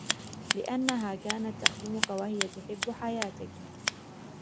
لِأَنَّهَا كَانَتْ تَخْدُمُك وَهِيَ تُحِبُّ حَيَاتَك